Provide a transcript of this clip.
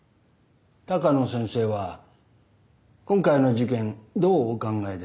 鷹野先生は今回の事件どうお考えですか？